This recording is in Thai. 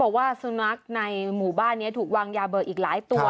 บอกว่าสุนัขในหมู่บ้านนี้ถูกวางยาเบิกอีกหลายตัว